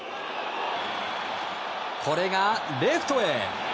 これが、レフトへ。